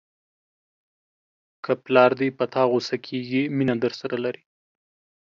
که پلار دې په تا غوسه کېږي مینه درسره لري.